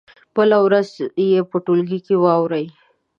بله ورځ دې یې په ټولګي کې واوروي.